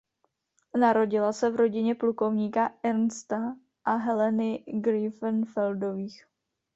Narodila se v rodině plukovníka Ernsta a Heleny Grünfeldových.